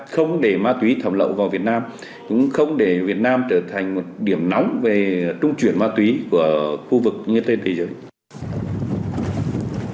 không để ma túy thẩm lậu vào việt nam cũng không để việt nam trở thành một điểm nóng về trung chuyển ma túy của khu vực cũng như trên thế giới